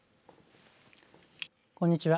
こんにちは。